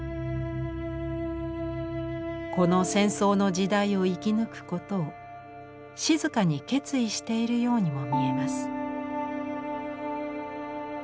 この戦争の時代を生き抜くことを静かに決意しているようにも見えます。